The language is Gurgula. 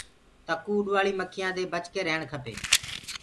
تڪوُ رهيڻ کپي اُڏوآݪي مکيآنٚ دي بچي رهيڻ کپي۔